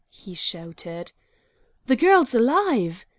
he shouted. "The girl's alive!"